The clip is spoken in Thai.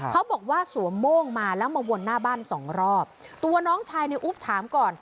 สวมโม่งมาแล้วมาวนหน้าบ้านสองรอบตัวน้องชายในอุ๊บถามก่อน